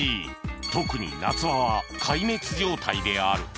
特に夏場は壊滅状態である